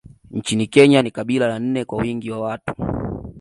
Nchini Kenya ni kabila la nne kwa wingi wa watu